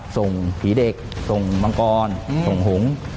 ส่งผีเด็กส่งมังกรส่งหง